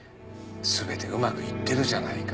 すべてうまくいってるじゃないか。